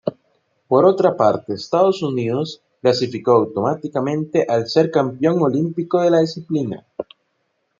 Por otra parte, Estados Unidos clasificó automáticamente al ser campeón olímpico de la disciplina.